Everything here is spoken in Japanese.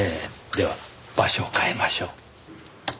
では場所を変えましょう。